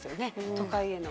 都会への。